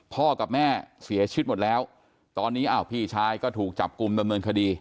พ่อกับแม่เสียชีวิตหมดแล้วตอนนี้อ้าวพี่ชายก็ถูกจับกลุ่มดำเนินคดี